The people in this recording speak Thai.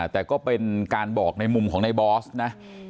แต่ก็เป็นการบอกในมุมของในบอสนะ